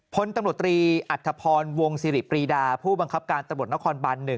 พลตำรวจตรีอัธพรวงสิริปรีดาผู้บังคับการตำรวจนครบัน๑